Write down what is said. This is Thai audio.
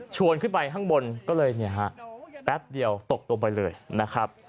ชวนขึ้นไปข้างบนก็เลยแป๊บเดียวตกลงไปเลยนะครับ